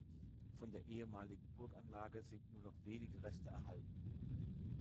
Von der ehemaligen Burganlage sind nur noch wenige Reste erhalten.